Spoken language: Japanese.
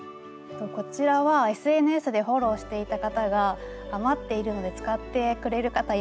こちらはＳＮＳでフォローしていた方が「余っているので使ってくれる方いませんか？」